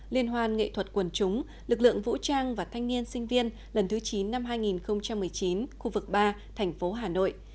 liên hoan nghệ thuật quần chúng lực lượng vũ trang và thanh niên sinh viên lần thứ chín năm hai nghìn một mươi chín khu vực ba thành phố hà nội